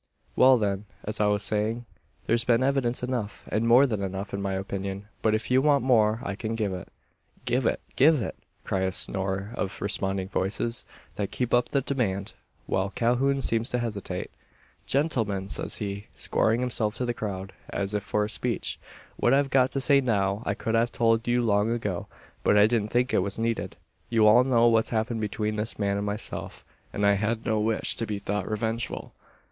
"Well, then, as I was saying, there's been evidence enough and more than enough, in my opinion. But if you want more, I can give it." "Give it give it!" cry a score of responding voices; that keep up the demand, while Calhoun seems to hesitate. "Gentlemen!" says he, squaring himself to the crowd, as if for a speech, "what I've got to say now I could have told you long ago. But I didn't think it was needed. You all know what's happened between this man and myself; and I had no wish to be thought revengeful.